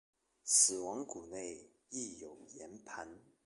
死亡谷内亦有盐磐。